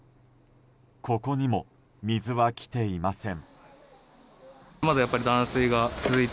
ここにも水は来ていません。